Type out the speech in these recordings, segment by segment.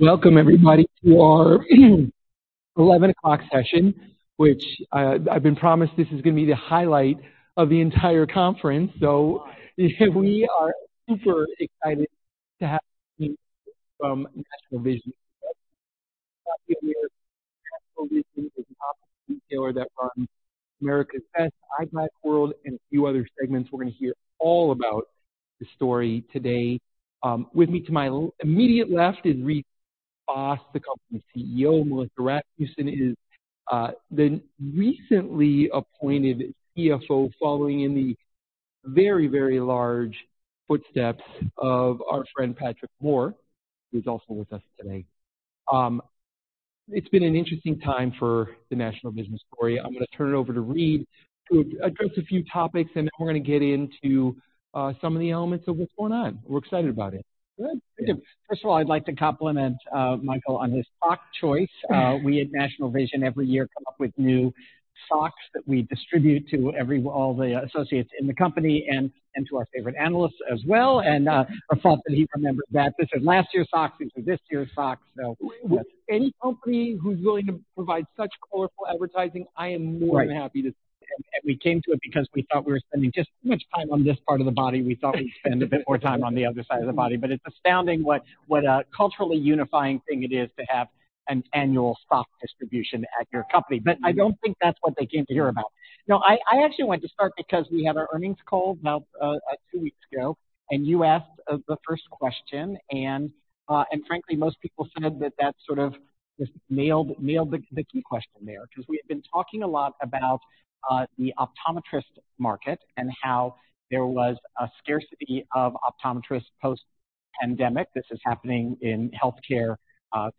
Welcome everybody to our 11:00 session, which I've been promised this is gonna be the highlight of the entire conference. We are super excited to have you from National Vision. National Vision is an optician retailer that runs America's Best, Eyeglass World, and a few other segments. We're gonna hear all about the story today. With me to my immediate left is Reade Fahs, the company's CEO. Melissa Rasmussen is the recently appointed CFO, following in the very large footsteps of our friend Patrick Moore, who's also with us today. It's been an interesting time for the National Vision story. I'm gonna turn it over to Reade to address a few topics, then we're gonna get into some of the elements of what's going on. We're excited about it. Good. First of all, I'd like to compliment, Michael on his sock choice. We at National Vision every year come up with new socks that we distribute to all the associates in the company and to our favorite analysts as well. I'm shocked that he remembered that. This is last year's socks, these are this year's socks. Any company who's willing to provide such colorful advertising, I am more than happy to. We came to it because we thought we were spending just too much time on this part of the body. We thought we'd spend a bit more time on the other side of the body. It's astounding what a culturally unifying thing it is to have an annual sock distribution at your company. I don't think that's what they came to hear about. No, I actually wanted to start because we had our earnings call now, two weeks ago, and you asked the first question, and frankly, most people said that that sort of just nailed the key question there. 'Cause we had been talking a lot about the optometrist market and how there was a scarcity of optometrists post-pandemic. This is happening in healthcare,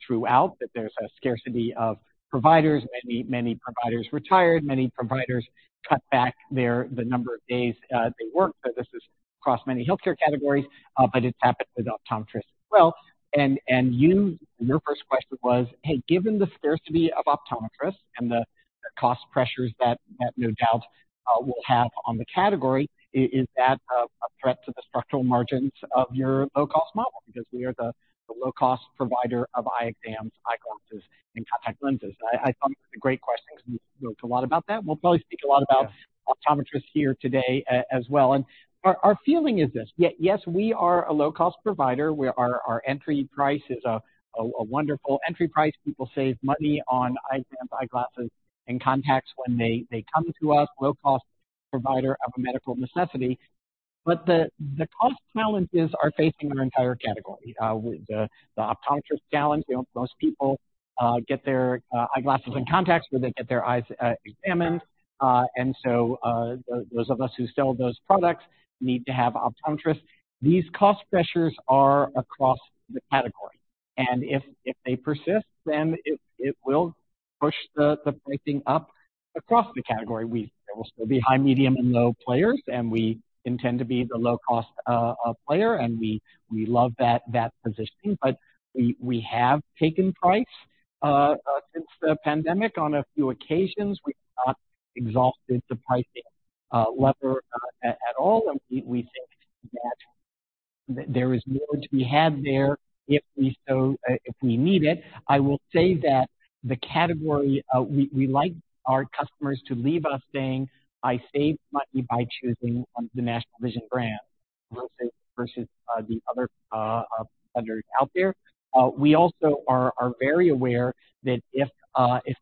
throughout, that there's a scarcity of providers. Many providers retired, many providers cut back the number of days they work. This is across many healthcare categories, but it's happened with optometrists as well. Your first question was, "Hey, given the scarcity of optometrists and the cost pressures that no doubt will have on the category, is that a threat to the structural margins of your low-cost model?" We are the low-cost provider of eye exams, eyeglasses, and contact lenses. I thought it was a great question because we talk a lot about that. We'll probably speak a lot about optometrists here today as well. Our feeling is this. Yes, we are a low-cost provider, where our entry price is a wonderful entry price. People save money on eye exams, eyeglasses, and contacts when they come to us. Low cost provider of a medical necessity. The cost challenges are facing our entire category. The optometrist challenge, most people get their eyeglasses and contacts where they get their eyes examined. Those of us who sell those products need to have optometrists. These cost pressures are across the category, and if they persist, then it will push the pricing up across the category. There will still be high, medium, and low players, and we intend to be the low cost player. We love that positioning. We have taken price since the pandemic on a few occasions. We have not exhausted the pricing lever at all, and we think that there is more to be had there if we need it. I will say that the category, we like our customers to leave us saying, "I saved money by choosing the National Vision brand versus the other vendors out there." We also are very aware that if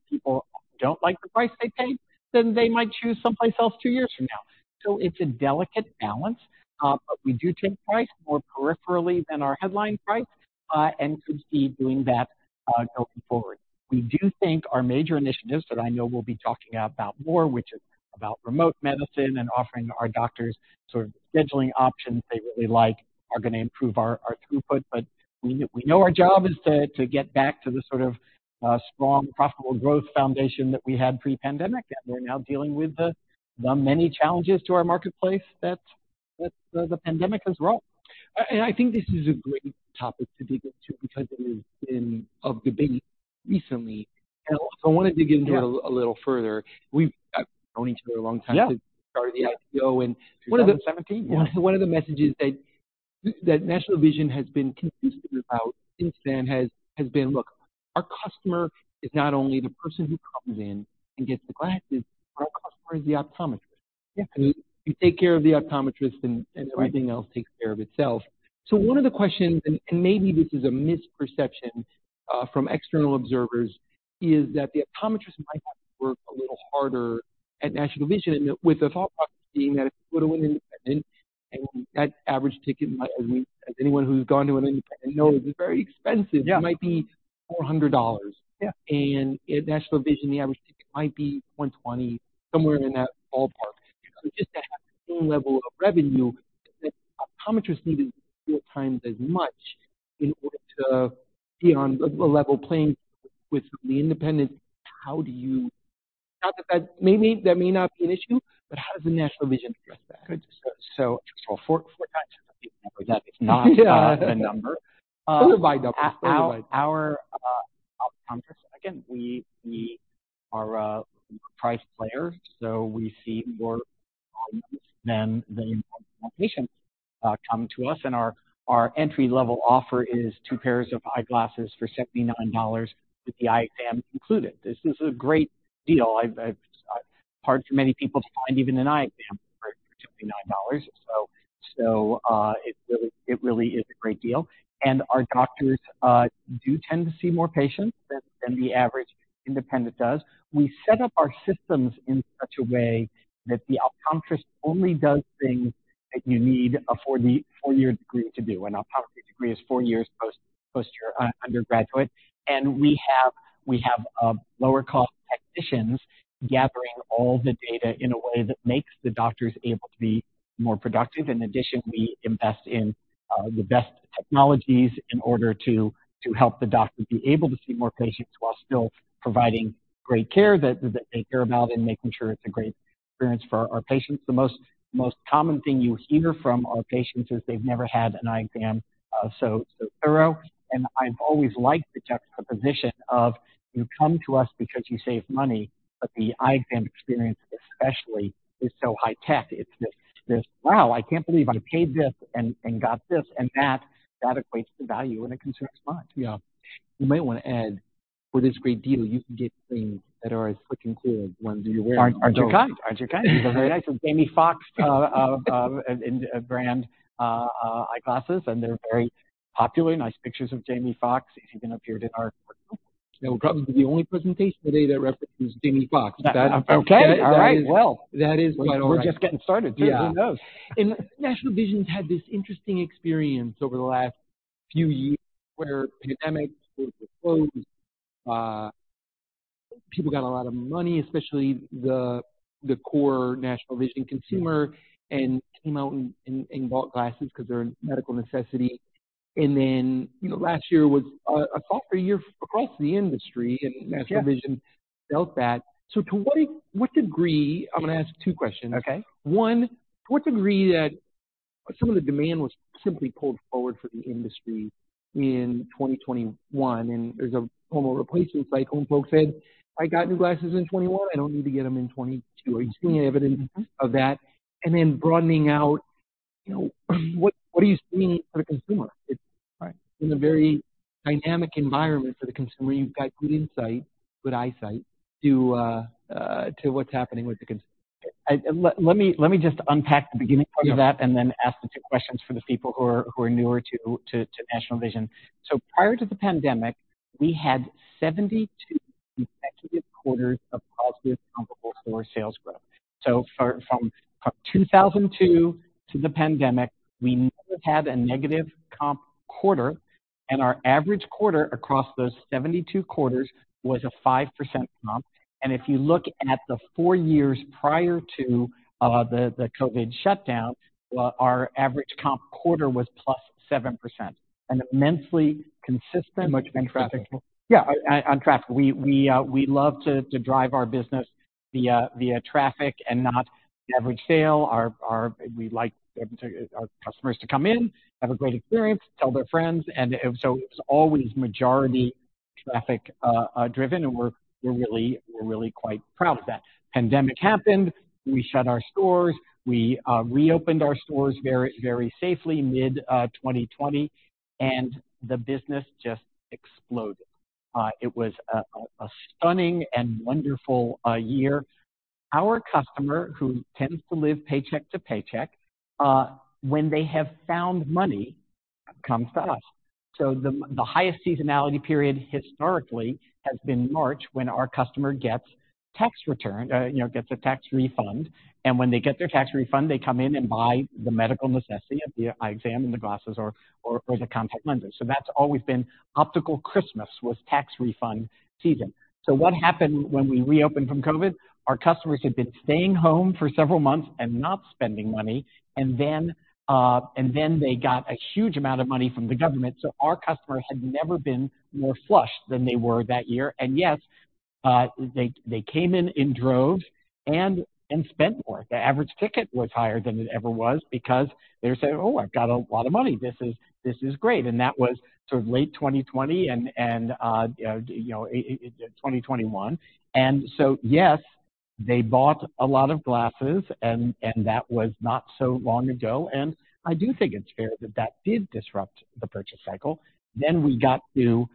people don't like the price they pay, then they might choose someplace else two years from now. It's a delicate balance. We do take price more peripherally than our headline price, and could see doing that going forward. We do think our major initiatives that I know we'll be talking about more, which is about remote medicine and offering our doctors sort of scheduling options they really like, are gonna improve our throughput. We know our job is to get back to the sort of strong profitable growth foundation that we had pre-pandemic. we're now dealing with the many challenges to our marketplace that the pandemic has wrought. I think this is a great topic to dig into because it has been of debate recently. I also wanted to get into it a little further. We've known each other a long time. Yeah. Since the start of the IPO in 2017. One of the messages that National Vision has been consistent about since then has been, look, our customer is not only the person who comes in and gets the glasses, our customer is the optometrist. Yeah. If you take care of the optometrist, then everything else takes care of itself. One of the questions, and maybe this is a misperception, from external observers, is that the optometrists might have to work a little harder at National Vision. With the thought process being that if you go to an independent and that average ticket, as anyone who's gone to an independent knows, is very expensive. Yeah. It might be $400. Yeah. At National Vision, the average ticket might be $120, somewhere in that ballpark. Just to have the same level of revenue, the optometrists need to bill 4 times as much in order to be on a level playing field with the independent. Not that that may not be an issue, but how does National Vision address that? four times is a big number. That is not a number. Those are my numbers. We are a price player, so we see more patients than the normal patient come to us. Our entry-level offer is two pairs of eyeglasses for $79 with the eye exam included. This is a great deal. It's hard for many people to find even an eye exam for $79. It really is a great deal. Our doctors do tend to see more patients than the average independent does. We set up our systems in such a way that the optometrist only does things that you need a four year degree to do. An optometry degree is four years post your undergraduate. We have lower cost technicians gathering all the data in a way that makes the doctors able to be more productive. In addition, we invest in the best technologies in order to help the doctor be able to see more patients while still providing great care that they care about and making sure it's a great experience for our patients. The most common thing you hear from our patients is they've never had an eye exam so thorough. I've always liked the position of you come to us because you save money, but the eye exam experience especially is so high tech. It's this, "Wow, I can't believe I paid this and got this," and that equates to value and it conserves funds. Yeah. You might want to add for this great deal, you can get things that are as slick and cool as the ones that you're wearing. Aren't you kind? Aren't you kind? These are very nice. They're Jamie Foxx in brand eyeglasses, and they're very popular. Nice pictures of Jamie Foxx, if you can appear to our They will probably be the only presentation today that references Jamie Foxx. Okay. All right. That is... Well. That is quite all right. We're just getting started. Yeah. Who knows? National Vision's had this interesting experience over the last few years where pandemic, stores were closed, people got a lot of money, especially the core National Vision consumer, and came out and bought glasses because they're a medical necessity. You know, last year was a tougher year across the industry. National Vision felt that. To what degree, I'm gonna ask two questions. Okay. One, to what degree that some of the demand was simply pulled forward for the industry in 2021, and there's a normal replacement cycle, and folks said, "I got new glasses in 2021. I don't need to get them in 2022." Are you seeing any evidence of that? Broadening out, you know, what are you seeing for the consumer? It's been a very dynamic environment for the consumer. You've got good insight, good eyesight to what's happening with the consumer. Let me just unpack the beginning part of that and then ask the two questions for the people who are newer to National Vision. Prior to the pandemic, we had 72 consecutive quarters of positive comparable store sales growth. From 2002 to the pandemic, we never had a negative comp quarter, and our average quarter across those 72 quarters was a 5% comp. If you look at the four years prior to the COVID shutdown, well, our average comp quarter was +7%. An immensely consistent- Much in traffic. Yeah, on traffic. We love to drive our business via traffic and not average sale. Our customers to come in, have a great experience, tell their friends. It was always majority traffic driven, and we're really quite proud of that. Pandemic happened, we shut our stores. We reopened our stores very, very safely mid 2020, and the business just exploded. It was a stunning and wonderful year. Our customer, who tends to live paycheck to paycheck, when they have found money, comes to us. The highest seasonality period historically has been March when our customer gets tax return, you know, gets a tax refund. When they get their tax refund, they come in and buy the medical necessity of the eye exam and the glasses or the contact lenses. That's always been optical Christmas was tax refund season. What happened when we reopened from COVID? Our customers had been staying home for several months and not spending money. They got a huge amount of money from the government. Our customers had never been more flushed than they were that year. Yes, they came in in droves and spent more. The average ticket was higher than it ever was because they're saying, "Oh, I've got a lot of money. This is great." That was sort of late 2020 and, you know, in 2021. Yes, they bought a lot of glasses, and that was not so long ago. I do think it's fair that that did disrupt the purchase cycle. We got to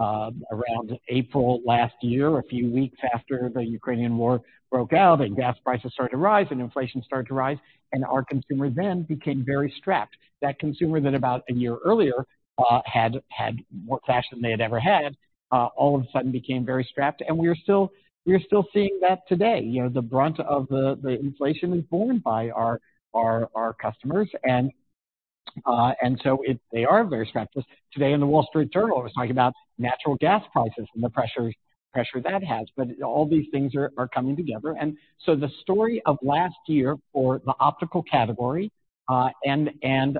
around April last year, a few weeks after the Ukrainian War broke out and gas prices started to rise and inflation started to rise, and our consumer then became very strapped. That consumer that about a year earlier had more cash than they had ever had, all of a sudden became very strapped. We are still seeing that today. You know, the brunt of the inflation is borne by our customers. They are very strapped. Today in The Wall Street Journal, it was talking about natural gas prices and the pressure that has. All these things are coming together. The story of last year for the optical category, and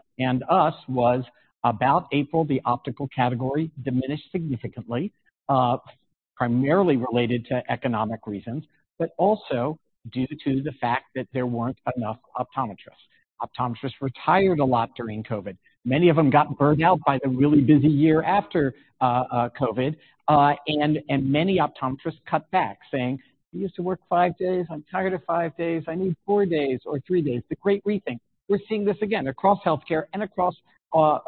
us was about April, the optical category diminished significantly. Primarily related to economic reasons, but also due to the fact that there weren't enough optometrists. Optometrists retired a lot during COVID. Many of them got burned out by the really busy year after COVID. Many optometrists cut back saying, "I used to work five days. I'm tired of five days. I need four days or three days." The great rethink. We're seeing this again across healthcare and across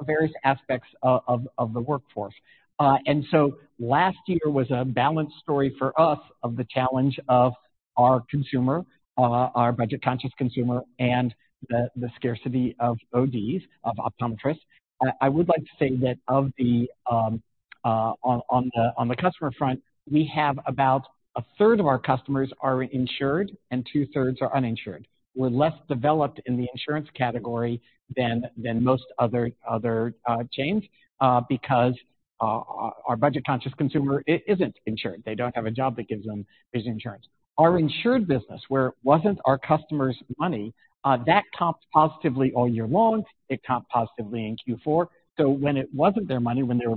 various aspects of the workforce. Last year was a balanced story for us of the challenge of our consumer, our budget-conscious consumer, and the scarcity of ODs, of optometrists. I would like to say that of the on the customer front, we have about a third of our customers are insured and two-thirds are uninsured. We're less developed in the insurance category than most other chains because our budget-conscious consumer isn't insured. They don't have a job that gives them vision insurance. Our insured business, where it wasn't our customers' money, that comped positively all year long. It comped positively in Q4. When it wasn't their money, when it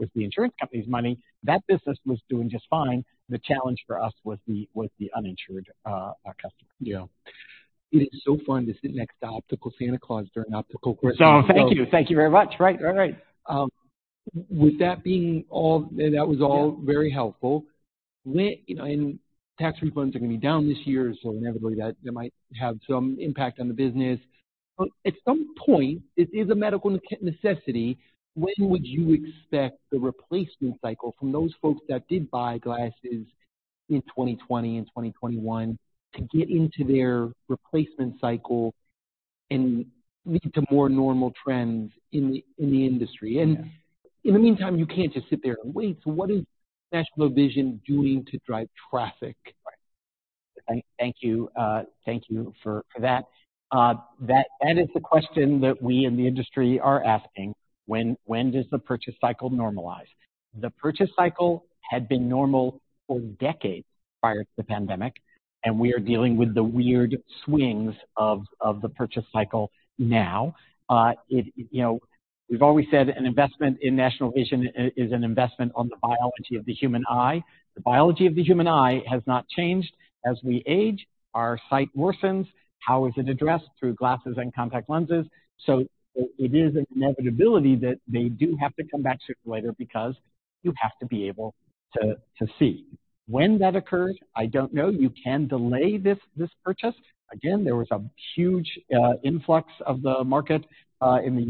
was the insurance company's money, that business was doing just fine. The challenge for us was the uninsured customer. Yeah. It is so fun to sit next to Optical Santa Claus during Optical Christmas. Thank you. Thank you very much. Right. Right, right. With that being all... That was all very helpful. You know, tax refunds are gonna be down this year. Inevitably that might have some impact on the business. At some point, it is a medical necessity. When would you expect the replacement cycle from those folks that did buy glasses in 2020 and 2021 to get into their replacement cycle and lead to more normal trends in the, in the industry? Yeah. In the meantime, you can't just sit there and wait, so what is National Vision doing to drive traffic? Right. Thank you. Thank you for that. That is the question that we in the industry are asking, when does the purchase cycle normalize? The purchase cycle had been normal for decades prior to the pandemic, and we are dealing with the weird swings of the purchase cycle now. You know, we've always said an investment in National Vision is an investment on the biology of the human eye. The biology of the human eye has not changed. As we age, our sight worsens. How is it addressed? Through glasses and contact lenses. It is an inevitability that they do have to come back sooner or later because you have to be able to see. When that occurs, I don't know. You can delay this purchase. Again, there was a huge influx of the market in the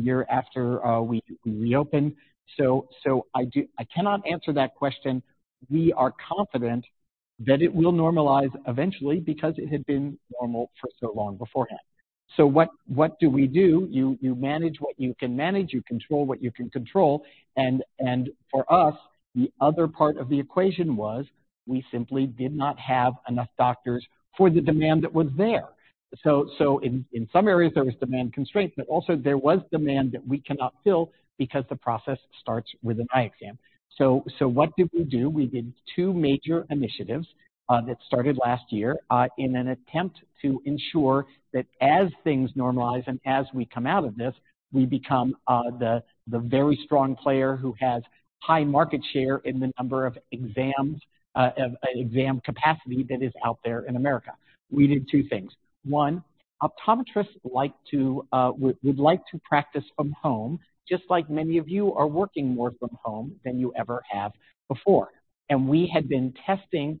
year after, we reopened. I cannot answer that question. We are confident that it will normalize eventually because it had been normal for so long beforehand. What do we do? You manage what you can manage, you control what you can control. For us, the other part of the equation was we simply did not have enough doctors for the demand that was there. In some areas, there was demand constraints, but also there was demand that we cannot fill because the process starts with an eye exam. What did we do? We did 2 major initiatives, that started last year, in an attempt to ensure that as things normalize and as we come out of this, we become, the very strong player who has high market share in the number of exams, exam capacity that is out there in America. We did two things. One, optometrists like to, would like to practice from home, just like many of you are working more from home than you ever have before. We had been testing,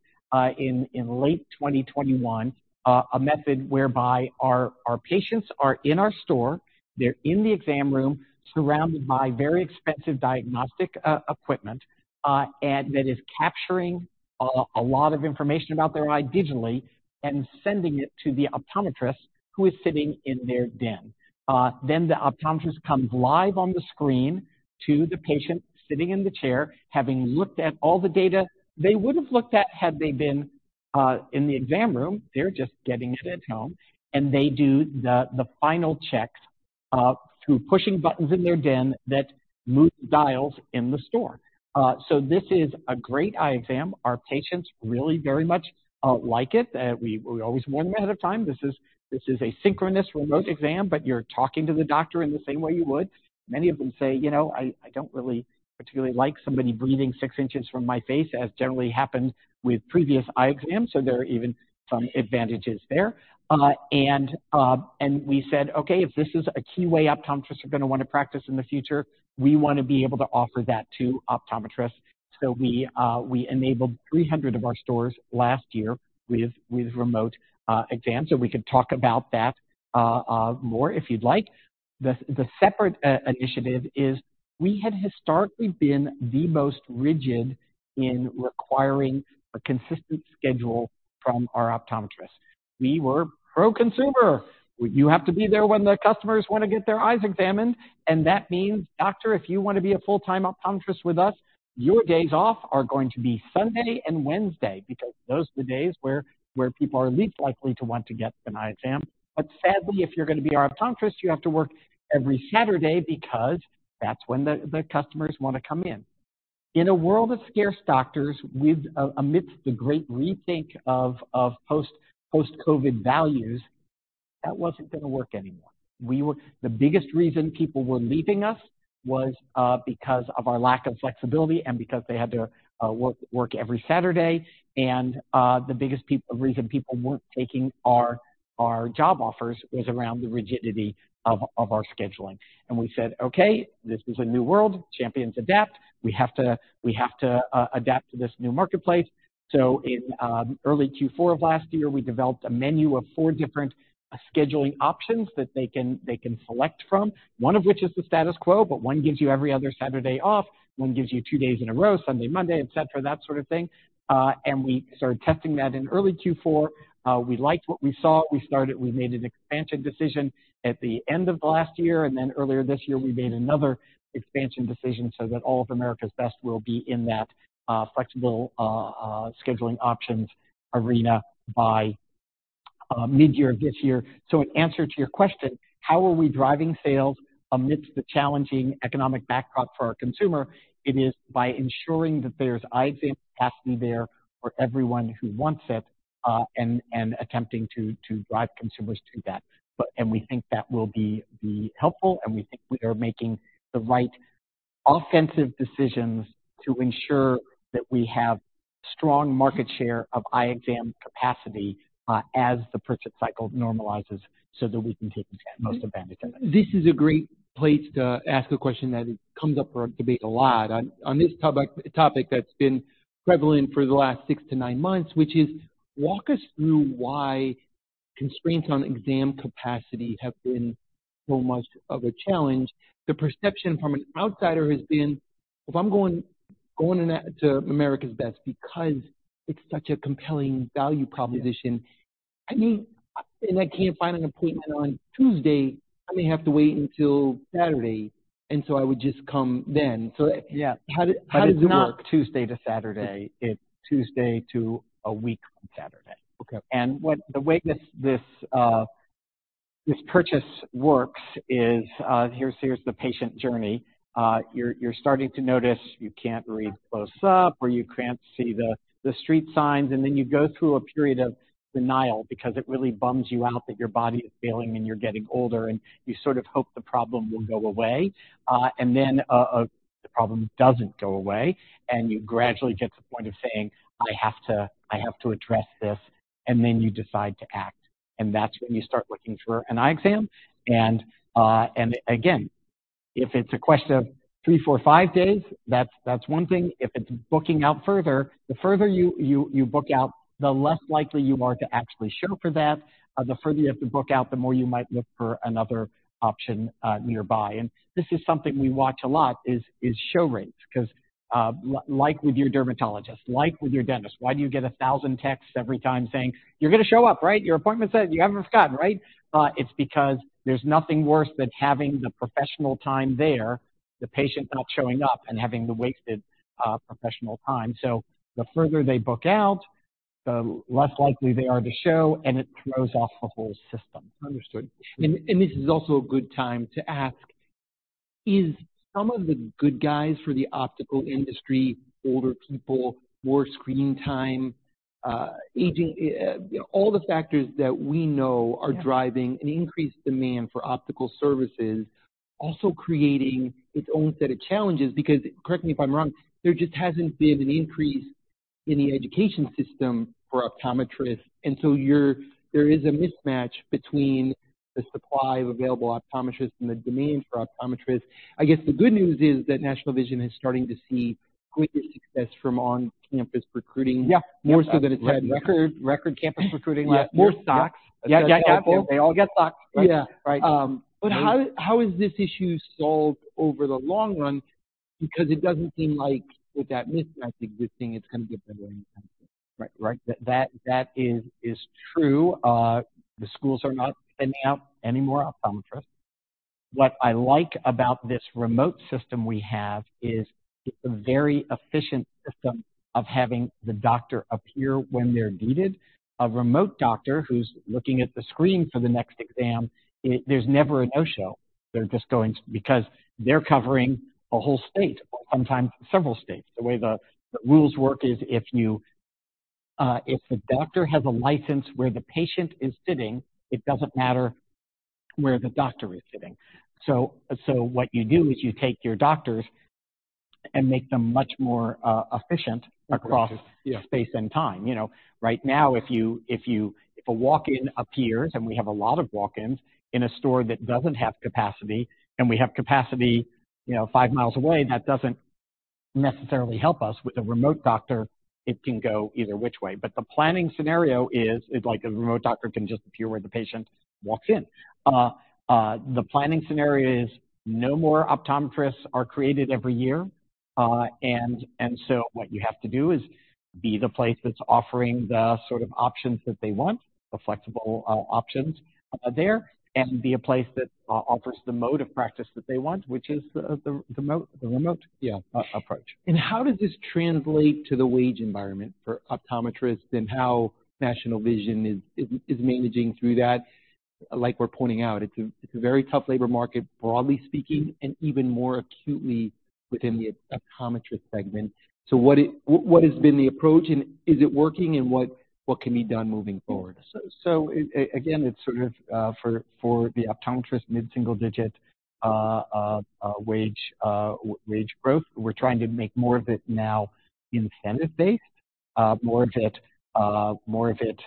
in late 2021, a method whereby our patients are in our store, they're in the exam room surrounded by very expensive diagnostic, equipment, and that is capturing, a lot of information about their eye digitally and sending it to the optometrist who is sitting in their den. The optometrist comes live on the screen to the patient sitting in the chair, having looked at all the data they would have looked at had they been in the exam room. They're just getting it at home, and they do the final check through pushing buttons in their den that move the dials in the store. This is a great eye exam. Our patients really very much like it. We always warn them ahead of time, this is a synchronous remote exam, but you're talking to the doctor in the same way you would. Many of them say, "You know, I don't really particularly like somebody breathing six inches from my face," as generally happens with previous eye exams. There are even some advantages there. We said, okay, if this is a key way optometrists are gonna wanna practice in the future, we wanna be able to offer that to optometrists. We enabled 300 of our stores last year with remote exams, and we could talk about that more if you'd like. The separate initiative is we had historically been the most rigid in requiring a consistent schedule from our optometrists. We were pro-consumer. You have to be there when the customers wanna get their eyes examined, and that means, Doctor, if you wanna be a full-time optometrist with us, your days off are going to be Sunday and Wednesday because those are the days where people are least likely to want to get an eye exam. Sadly, if you're gonna be our optometrist, you have to work every Saturday because that's when the customers wanna come in. In a world of scarce doctors amidst the great rethink of post-COVID values. That wasn't gonna work anymore. The biggest reason people were leaving us was because of our lack of flexibility and because they had to work every Saturday. The biggest reason people weren't taking our job offers was around the rigidity of our scheduling. We said, "Okay, this is a new world. Champions adapt. We have to adapt to this new marketplace. In early Q4 of last year, we developed a menu of four different scheduling options that they can select from, one of which is the status quo, but one gives you every other Saturday off, one gives you two days in a row, Sunday, Monday, et cetera, that sort of thing. We started testing that in early Q4. We liked what we saw. We made an expansion decision at the end of last year, and then earlier this year, we made another expansion decision so that all of America's Best will be in that flexible scheduling options arena by mid-year of this year. In answer to your question, how are we driving sales amidst the challenging economic backdrop for our consumer? It is by ensuring that there's eye exam capacity there for everyone who wants it, and attempting to drive consumers to that. We think that will be helpful, and we think we are making the right offensive decisions to ensure that we have strong market share of eye exam capacity, as the purchase cycle normalizes so that we can take most advantage of it. This is a great place to ask a question that comes up for debate a lot on this top-topic that's been prevalent for the last six to nine months, which is walk us through why constraints on exam capacity have been so much of a challenge. The perception from an outsider has been, if I'm going to America's Best because it's such a compelling value proposition, I mean, I can't find an appointment on Tuesday, I may have to wait until Saturday, I would just come then. Yeah. How does it work? It's not Tuesday to Saturday. It's Tuesday to a week on Saturday. Okay. The way this purchase works is, here's the patient journey. You're starting to notice you can't read close up or you can't see the street signs, and then you go through a period of denial because it really bums you out that your body is failing and you're getting older, and you sort of hope the problem will go away. Then, the problem doesn't go away, and you gradually get to the point of saying, "I have to address this," and then you decide to act. That's when you start looking for an eye exam. Again, if it's a question of three, four ,five days, that's one thing. If it's booking out further, the further you book out, the less likely you are to actually show for that. The further you have to book out, the more you might look for another option nearby. This is something we watch a lot is show rates. Cause, like with your dermatologist, like with your dentist, why do you get 1,000 texts every time saying, "You're gonna show up, right? Your appointment's set. You haven't forgotten, right?" It's because there's nothing worse than having the professional time there, the patient not showing up and having the wasted professional time. The further they book out, the less likely they are to show, and it throws off the whole system. Understood. This is also a good time to ask, is some of the good guys for the optical industry, older people, more screen time, aging, all the factors that we know are driving an increased demand for optical services also creating its own set of challenges? Because correct me if I'm wrong, there just hasn't been an increase in the education system for optometrists. There is a mismatch between the supply of available optometrists and the demand for optometrists. I guess the good news is that National Vision is starting to see greater success from on-campus recruiting. Yeah. More so than it's ever-. Record campus recruiting last year. More socks. Yeah. Yeah. They all get socks. Yeah. Right. Um. How is this issue solved over the long run? It doesn't seem like with that mismatch existing, it's gonna get better anytime soon. Right. Right. That is true. The schools are not sending out any more optometrists. What I like about this remote system we have is it's a very efficient system of having the doctor appear when they're needed. A remote doctor who's looking at the screen for the next exam, there's never a no-show. Because they're covering a whole state, sometimes several states. The way the rules work is if you, if the doctor has a license where the patient is sitting, it doesn't matter where the doctor is sitting. What you do is you take your doctors and make them much more efficient across space and time. You know, right now, if a walk-in appears, and we have a lot of walk-ins, in a store that doesn't have capacity, and we have capacity, you know, five miles away, that doesn't necessarily help us. With a remote doctor, it can go either which way. The planning scenario is like a remote doctor can just appear where the patient walks in. The planning scenario is no more optometrists are created every year. What you have to do is be the place that's offering the sort of options that they want, the flexible options there, and be a place that offers the mode of practice that they want, which is the remote, the remote- Yeah. A-approach. How does this translate to the wage environment for optometrists and how National Vision is managing through that? Like we're pointing out, it's a very tough labor market, broadly speaking, and even more acutely within the optometrist segment. What has been the approach, and is it working, and what can be done moving forward? Again, it's sort of for the optometrists, mid-single digit wage growth. We're trying to make more of it now incentive-based. More of it, more of it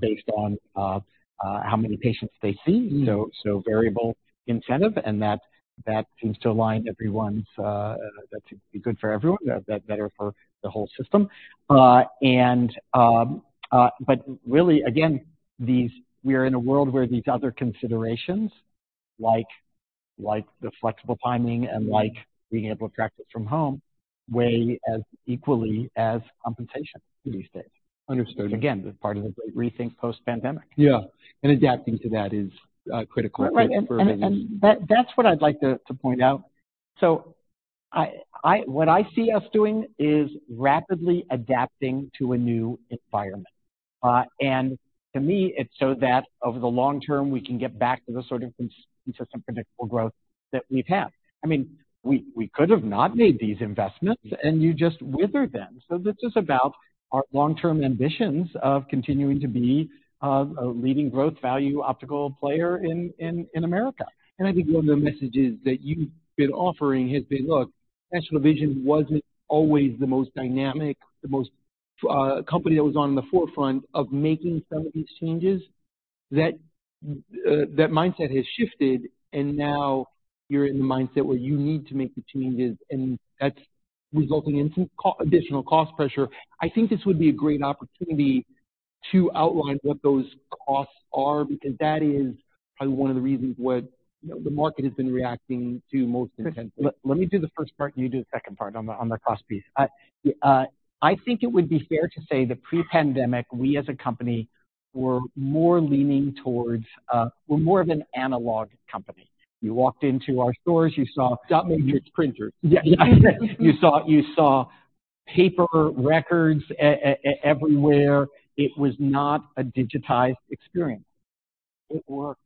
based on how many patients they see. Mm-hmm. Variable incentive, that seems to align everyone's, that's good for everyone. That better for the whole system. Really, again, we're in a world where these other considerations, like the flexible timing and being able to practice from home, weigh as equally as compensation these days. Understood. Part of the great rethink post-pandemic. Yeah. Adapting to that is critical. Right. That's what I'd like to point out. What I see us doing is rapidly adapting to a new environment. To me, it's so that over the long term, we can get back to the sort of consistent predictable growth that we've had. I mean, we could have not made these investments, and you just wither then. This is about our long-term ambitions of continuing to be a leading growth value optical player in America. I think one of the messages that you've been offering has been, look, National Vision wasn't always the most dynamic, the most, company that was on the forefront of making some of these changes. That mindset has shifted, and now you're in the mindset where you need to make the changes, and that's resulting in some co-additional cost pressure. I think this would be a great opportunity to outline what those costs are, because that is probably one of the reasons what, you know, the market has been reacting to most intensely. Let me do the first part. You do the second part on the cost piece. I think it would be fair to say that pre-pandemic, we as a company were more leaning towards, we're more of an analog company. You walked into our stores, you saw. Dot matrix printers. Yeah. You saw paper records everywhere. It was not a digitized experience. It worked.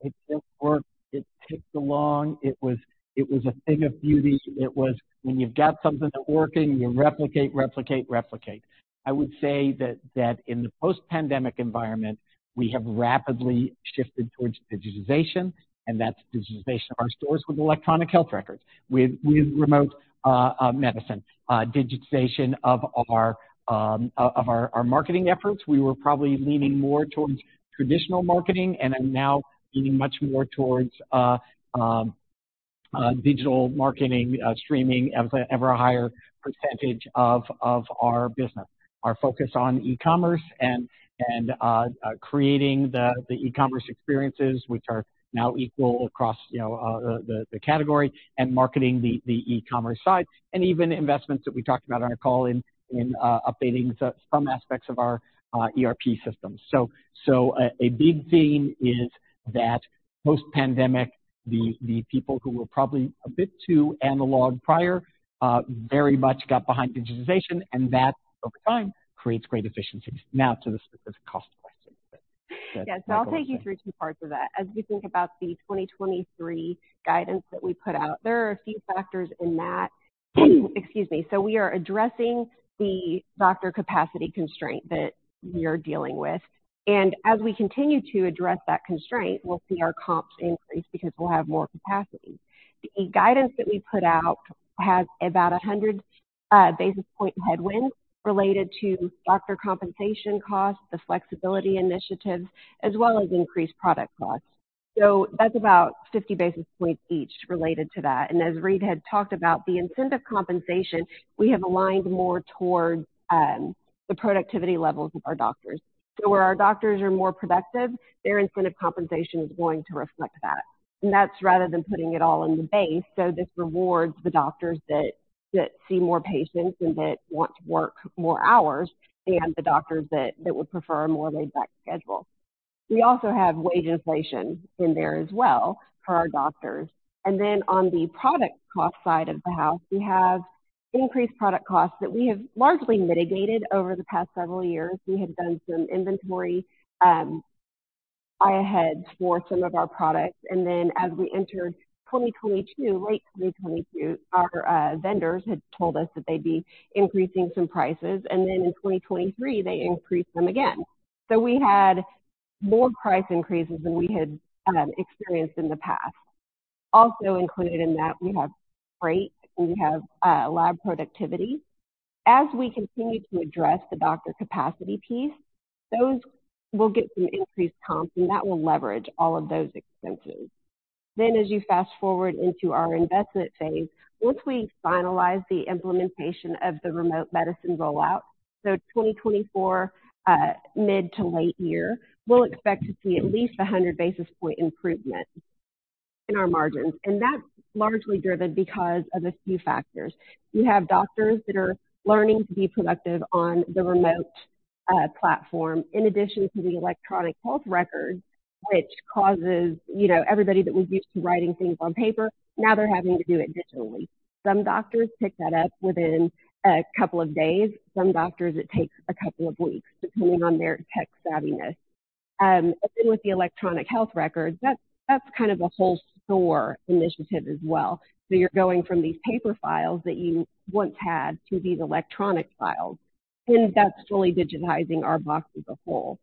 It just worked. It ticked along. It was a thing of beauty. It was when you've got something that working, you replicate, replicate. I would say that in the post-pandemic environment, we have rapidly shifted towards digitization, and that's digitization of our stores with electronic health records, with remote medicine, digitization of our marketing efforts. We were probably leaning more towards traditional marketing and are now leaning much more towards digital marketing, streaming as an ever higher percentage of our business. Our focus on e-commerce and creating the e-commerce experiences, which are now equal across, you know, the category and marketing the e-commerce side, and even investments that we talked about on our call in updating some aspects of our ERP system. A big theme is that post-pandemic, the people who were probably a bit too analog prior, very much got behind digitization, and that, over time, creates great efficiencies. Now to the cost question that Michael was asking. Yes. I'll take you through two parts of that. As we think about the 2023 guidance that we put out, there are a few factors in that. Excuse me. We are addressing the doctor capacity constraint that we are dealing with. As we continue to address that constraint, we'll see our comps increase because we'll have more capacity. The guidance that we put out has about a 100 basis point headwind related to doctor compensation costs, the flexibility initiatives, as well as increased product costs. That's about 50 basis points each related to that. As Reade had talked about, the incentive compensation, we have aligned more towards the productivity levels of our doctors. Where our doctors are more productive, their incentive compensation is going to reflect that. That's rather than putting it all in the base, so this rewards the doctors that see more patients and that want to work more hours and the doctors that would prefer a more laid-back schedule. We also have wage inflation in there as well for our doctors. On the product cost side of the house, we have increased product costs that we have largely mitigated over the past several years. We had done some inventory buy-aheads for some of our products. As we entered 2022, late 2022, our vendors had told us that they'd be increasing some prices. In 2023, they increased them again. We had more price increases than we had experienced in the past. Also included in that, we have freight, and we have lab productivity. As we continue to address the doctor capacity piece, those will get some increased comps, and that will leverage all of those expenses. As you fast-forward into our investment phase, once we finalize the implementation of the remote medicine rollout, so 2024, mid to late year, we'll expect to see at least 100 basis point improvement in our margins. That's largely driven because of a few factors. We have doctors that are learning to be productive on the remote platform, in addition to the electronic health records, which causes, you know, everybody that was used to writing things on paper, now they're having to do it digitally. Some doctors pick that up within a couple of days. Some doctors, it takes a couple of weeks, depending on their tech savviness. With the electronic health records, that's kind of a whole store initiative as well. You're going from these paper files that you once had to these electronic files, and that's fully digitizing our boxes of whole.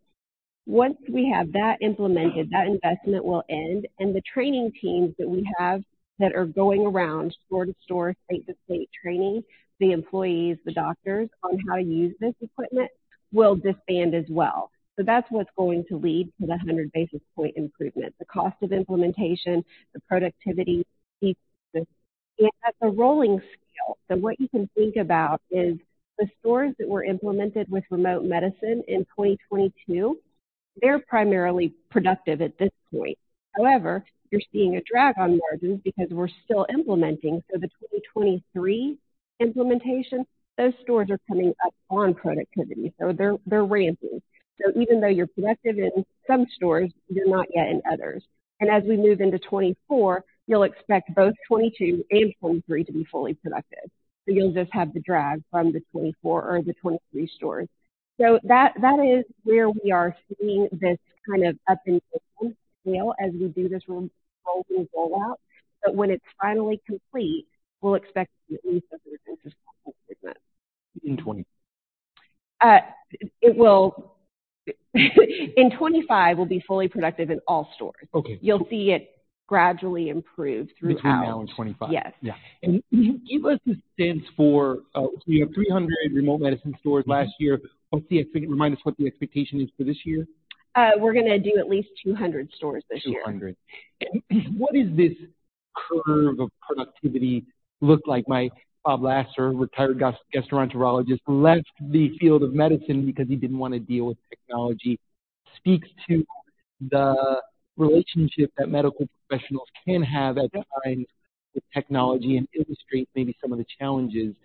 Once we have that implemented, that investment will end, and the training teams that we have that are going around store to store, state to state, training the employees, the doctors, on how to use this equipment, will disband as well. That's what's going to lead to the 100 basis point improvement, the cost of implementation, the productivity. At the rolling scale, what you can think about is the stores that were implemented with remote medicine in 2022, they're primarily productive at this point. However, you're seeing a drag on margins because we're still implementing. The 2023 implementation, those stores are coming up on productivity. They're ramping. Even though you're productive in some stores, you're not yet in others. As we move into 2024, you'll expect both 2022 and 2023 to be fully productive. You'll just have the drag from the 2024 or the 2023 stores. That is where we are seeing this kind of up and down scale as we do this rolling rollout. When it's finally complete, we'll expect to see. In 2025. In 2025, we'll be fully productive in all stores. Okay. You'll see it gradually improve throughout. Between now and 2025. Yes. Yeah. Can you give us a sense for, so you have 300 remote medicine stores last year? Remind us what the expectation is for this year? we're gonna do at least 200 stores this year. 200. What does this curve of productivity look like? Bob Lassiter, retired gastroenterologist, left the field of medicine because he didn't want to deal with technology, speaks to the relationship that medical professionals can have at times with technology and illustrates maybe some of the challenges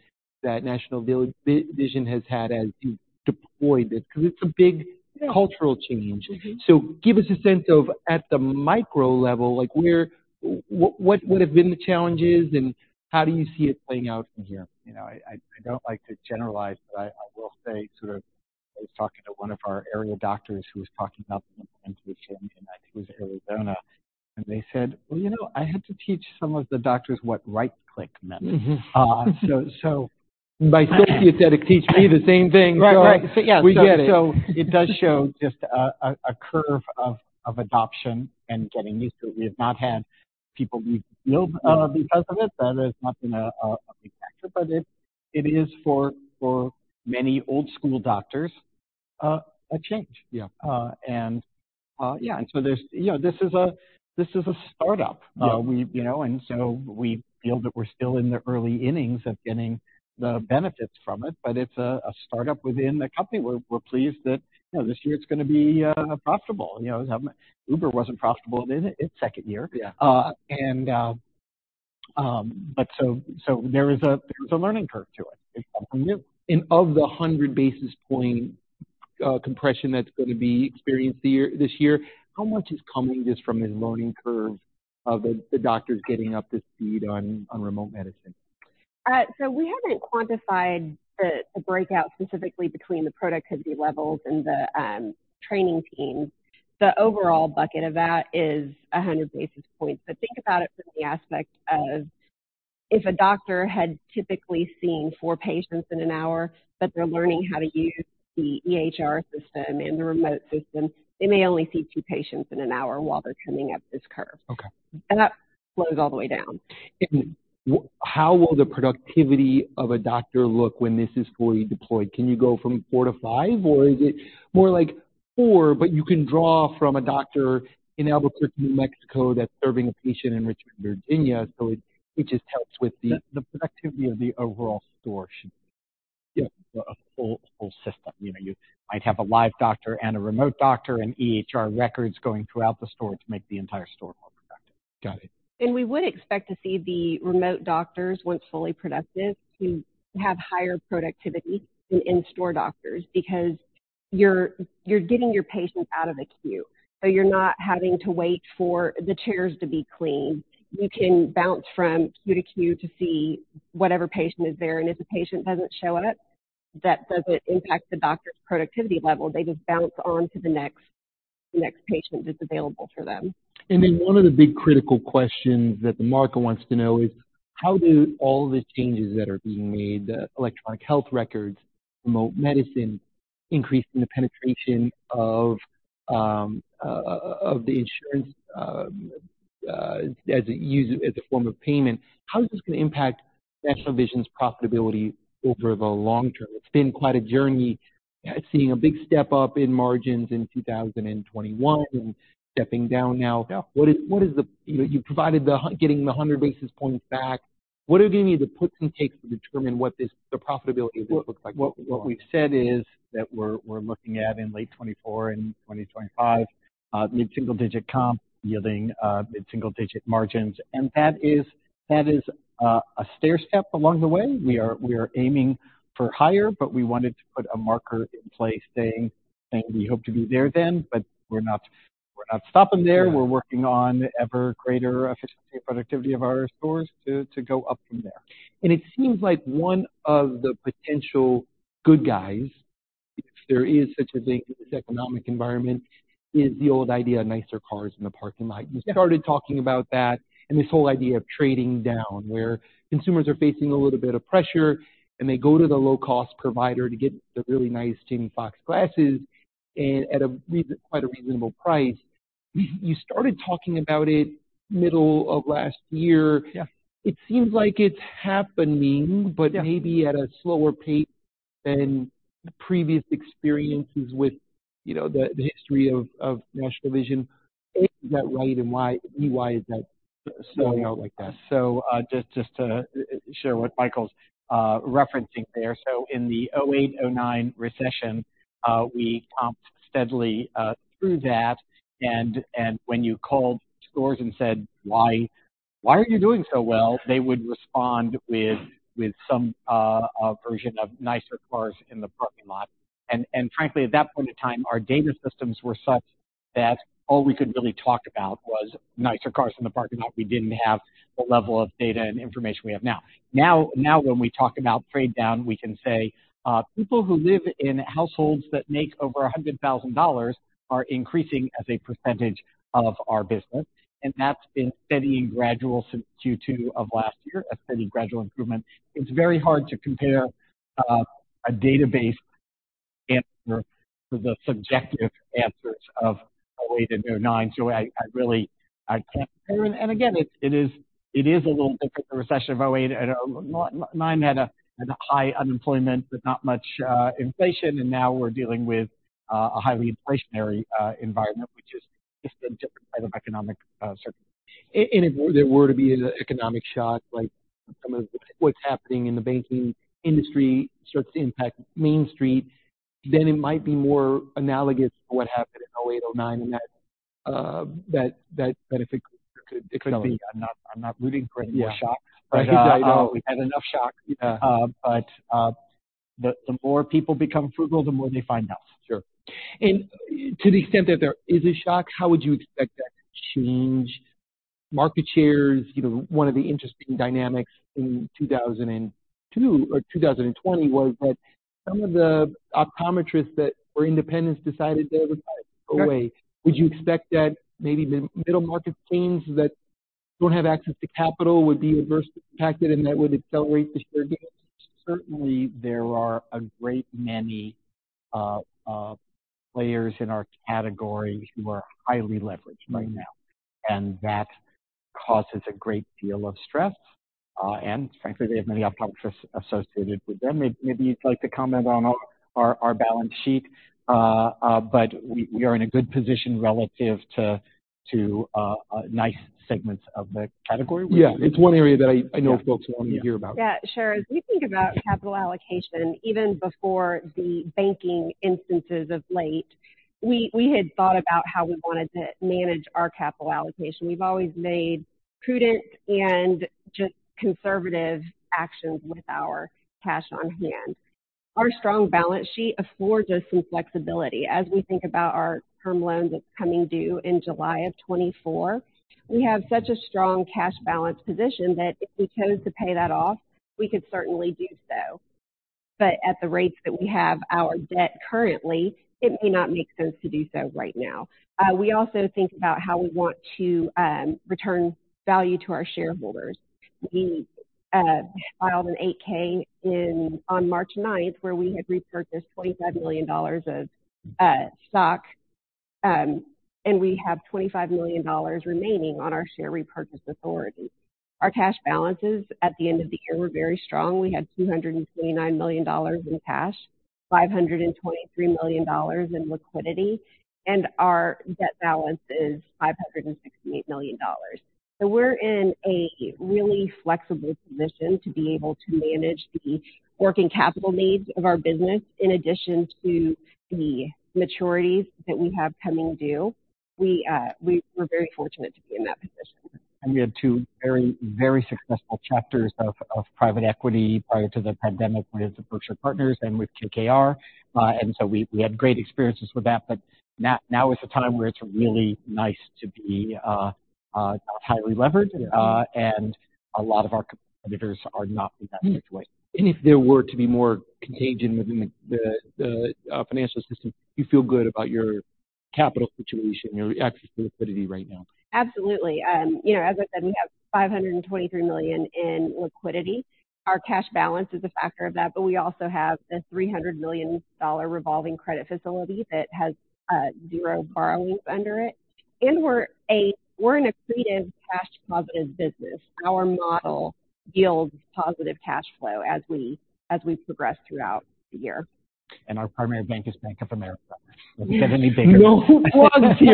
that National Vision has had as you deploy this, because it's a big cultural change. Mm-hmm. Give us a sense of, at the micro level, like, What have been the challenges, and how do you see it playing out from here? You know, I don't like to generalize, but I will say sort of I was talking to one of our area doctors who was talking about the implementation in, I think it was Arizona. They said, "Well, you know, I had to teach some of the doctors what right-click meant. Mm-hmm. Uh, so, so- Uncertain teach me the same thing. Right. Right. Yeah. We get it. It does show just a curve of adoption and getting used to it. We have not had people leave the building because of it. That has not been a big factor. It is for many old school doctors a change. Yeah. Yeah. There's, you know, this is a startup. Yeah. We, you know, we feel that we're still in the early innings of getting the benefits from it, but it's a startup within the company. We're pleased that, you know, this year it's gonna be profitable. You know, Uber wasn't profitable in its second year. Yeah. There is a learning curve to it. It's something new. Of the 100 basis points compression that's gonna be experienced this year, how much is coming just from this learning curve of the doctors getting up to speed on remote medicine? We haven't quantified the breakout specifically between the productivity levels and the training team. The overall bucket of that is 100 basis points. Think about it from the aspect of if a doctor had typically seen four patients in an hour, but they're learning how to use the EHR system and the remote system, they may only see two patients in an hour while they're coming up this curve. Okay. That flows all the way down. How will the productivity of a doctor look when this is fully deployed? Can you go from four to five, or is it more like four, but you can draw from a doctor in Albuquerque, New Mexico, that's serving a patient in Richmond, Virginia, so it just helps with the. The productivity of the overall store a full system. You know, you might have a live doctor and a remote doctor and EHR records going throughout the store to make the entire store more productive. Got it. We would expect to see the remote doctors, once fully productive, to have higher productivity than in-store doctors because you're getting your patient out of the queue. You're not having to wait for the chairs to be cleaned. You can bounce from queue to queue to see whatever patient is there, and if the patient doesn't show up, that doesn't impact the doctor's productivity level. They just bounce on to the next patient that's available for them. One of the big critical questions that the market wants to know is: how do all the changes that are being made, electronic health records, remote medicine, increase in the penetration of the insurance as a form of payment, how is this gonna impact National Vision's profitability over the long term? It's been quite a journey seeing a big step up in margins in 2021 and stepping down now. Yeah. What is the, you know, getting the 100 basis points back. What are gonna be the puts and takes to determine the profitability of this looks like? What we've said is that we're looking at in late 2024 and 2025, mid-single digit comp yielding, mid-single digit margins. That is a stairstep along the way. We are aiming for higher, but we wanted to put a marker in place saying that we hope to be there then, but we're not stopping there. We're working on ever greater efficiency and productivity of our stores to go up from there. It seems like one of the potential good guys, if there is such a thing in this economic environment, is the old idea of nicer cars in the parking lot. You started talking about that and this whole idea of trading down, where consumers are facing a little bit of pressure, and they go to the low-cost provider to get the really nice Jamie Foxx glasses and at a quite a reasonable price. You started talking about it middle of last year. Yeah. It seems like it's happening. Yeah. Maybe at a slower pace than previous experiences with, you know, the history of National Vision. Is that right, and why, and why is that slowing out like that? Just to share what Michael's referencing there. In the 2008, 2009 recession, we pumped steadily through that. And when you called stores and said, "Why, why are you doing so well?" They would respond with some version of nicer cars in the parking lot. And frankly, at that point in time, our data systems were such that all we could really talk about was nicer cars in the parking lot. We didn't have the level of data and information we have now. Now when we talk about trade down, we can say people who live in households that make over $100,000 are increasing as a percentage of our business. That's been steady and gradual since Q2 of last year, a steady gradual improvement. It's very hard to compare, a database answer to the subjective answers of 2008 and 2009. I really I can't. Again, it is a little different. The recession of 2008 and 2009 had a high unemployment but not much, inflation. Now we're dealing with, a highly inflationary, environment, which is just a different type of economic, circumstance. If there were to be an economic shock, like some of what's happening in the banking industry starts to impact Main Street, then it might be more analogous to what happened in 2008, 2009, and that it could be. I'm not rooting for any more shock. Yeah. We've had enough shock. Yeah. The more people become frugal, the more they find us. Sure. To the extent that there is a shock, how would you expect that to change market shares? You know, one of the interesting dynamics in 2002 or 2020 was that some of the optometrists that were independents decided they would go away. Would you expect that maybe the middle market chains that don't have access to capital would be adversely impacted and that would accelerate the share gains? Certainly, there are a great many players in our category who are highly leveraged right now, and that causes a great deal of stress. Frankly, they have many optometrists associated with them. Maybe you'd like to comment on our balance sheet. We are in a good position relative to nice segments of the category. Yeah, it's one area that I know folks want to hear about. Yeah, sure. As we think about capital allocation, even before the banking instances of late, we had thought about how we wanted to manage our capital allocation. We've always made prudent and just conservative actions with our cash on hand. Our strong balance sheet affords us some flexibility. As we think about our term loan that's coming due in July of 2024, we have such a strong cash balance position that if we chose to pay that off, we could certainly do so. At the rates that we have our debt currently, it may not make sense to do so right now. We also think about how we want to return value to our shareholders. We filed an Form 8-K in, on March ninth where we had repurchased $25 million of stock, we have $25 million remaining on our share repurchase authority. Our cash balances at the end of the year were very strong. We had $229 million in cash, $523 million in liquidity, and our debt balance is $568 million. We're in a really flexible position to be able to manage the working capital needs of our business in addition to the maturities that we have coming due. We're very fortunate to be in that position. We had two very successful chapters of private equity prior to the pandemic with Berkshire Partners and with KKR. We had great experiences with that. Now is the time where it's really nice to be not highly levered, a lot of our competitors are not in that situation. If there were to be more contagion within the financial system, you feel good about your capital situation, your access to liquidity right now? Absolutely. You know, as I said, we have $523 million in liquidity. Our cash balance is a factor of that, we also have a $300 million revolving credit facility that has zero borrowings under it. We're an accretive cash positive business. Our model yields positive cash flow as we progress throughout the year. Our primary bank is Bank of America. Doesn't get any bigger I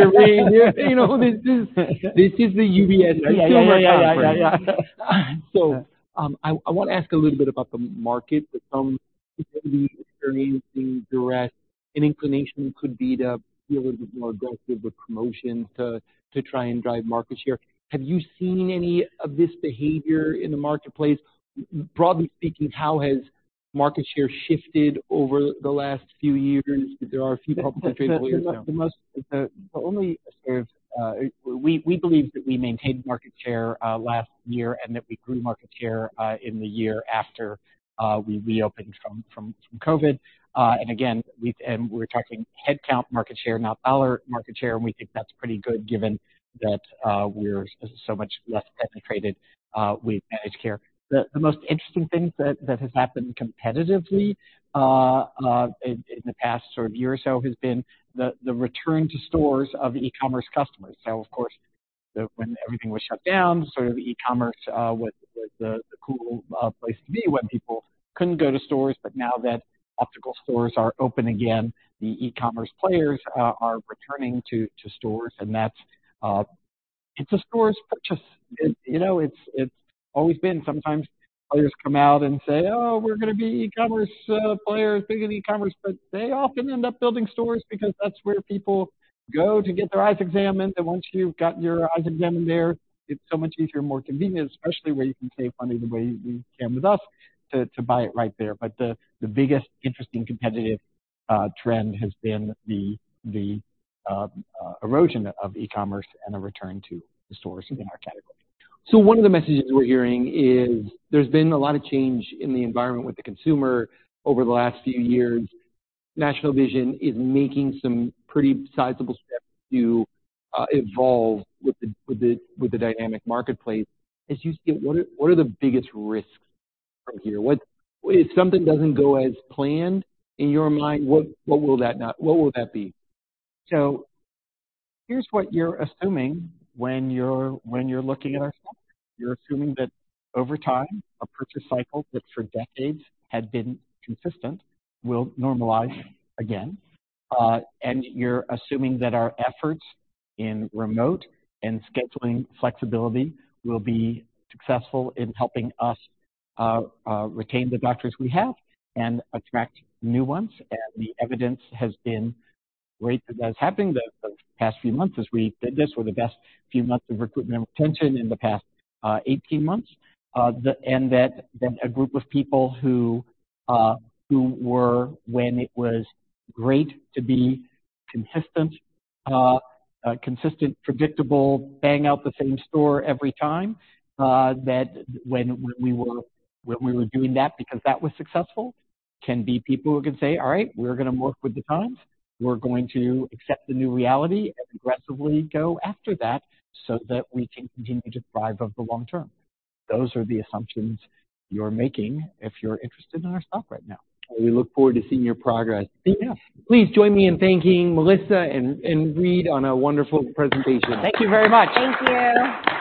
wanna ask a little bit about the market that some may be experiencing duress. An inclination could be to be a little bit more aggressive with promotions to try and drive market share. Have you seen any of this behavior in the marketplace? Broadly speaking, market share shifted over the last few years. There are a few competitive players now. The only we believe that we maintained market share last year and that we grew market share in the year after we reopened from COVID. Again, and we're talking headcount market share, not dollar market share, and we think that's pretty good given that we're so much less penetrated with managed care. The most interesting thing that has happened competitively in the past sort of year or so has been the return to stores of e-commerce customers. Of course, when everything was shut down, sort of e-commerce was the cool place to be when people couldn't go to stores. Now that optical stores are open again, the e-commerce players are returning to stores. That's, it's a stores purchase. You know, it's always been sometimes players come out and say, "Oh, we're gonna be e-commerce players, big in e-commerce," but they often end up building stores because that's where people go to get their eyes examined. Once you've got your eyes examined there, it's so much easier and more convenient, especially where you can save money the way you can with us, to buy it right there. The biggest interesting competitive trend has been the erosion of e-commerce and a return to the stores in our category. One of the messages we're hearing is there's been a lot of change in the environment with the consumer over the last few years. National Vision is making some pretty sizable steps to evolve with the, dynamic marketplace. As you see it, what are, what are the biggest risks right here? If something doesn't go as planned, in your mind, what will that be? Here's what you're assuming when you're looking at our stock. You're assuming that over time, a purchase cycle that for decades had been consistent will normalize again. You're assuming that our efforts in remote and scheduling flexibility will be successful in helping us retain the doctors we have and attract new ones. The evidence has been great that that's happening the past few months as we did this were the best few months of recruitment and retention in the past 18 months. That a group of people who were when it was great to be consistent, predictable, bang out the same store every time, that when we were doing that because that was successful, can be people who can say, "All right, we're gonna work with the times. We're going to accept the new reality and aggressively go after that so that we can continue to thrive over the long term." Those are the assumptions you're making if you're interested in our stock right now. We look forward to seeing your progress. Yeah. Please join me in thanking Melissa and Reade on a wonderful presentation. Thank you very much. Thank you.